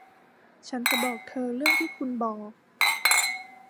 ฉันจะบอกเธอเรื่องที่คุณบอก